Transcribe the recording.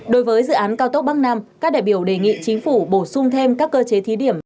đối với dự án cao tốc bắc nam các đại biểu đề nghị chính phủ bổ sung thêm các cơ chế thí điểm